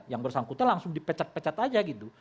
yang bersangkutan langsung dipecat pecat aja gitu